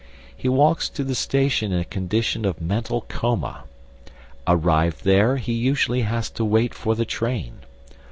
He walks to the station in a condition of mental coma. Arrived there, he usually has to wait for the train.